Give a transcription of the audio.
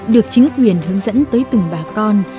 được chính quyền hướng dẫn tới từng bà con